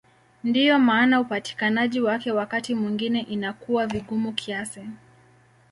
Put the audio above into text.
Ndiyo maana upatikanaji wake wakati mwingine inakuwa vigumu kiasi.